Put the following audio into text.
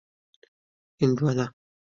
🍉 هندوانه